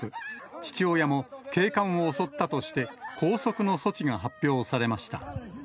父親も警官を襲ったとして、拘束の措置が発表されました。